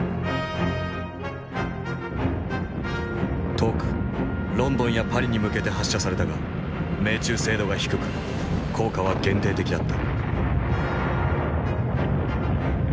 遠くロンドンやパリに向けて発射されたが命中精度が低く効果は限定的だった。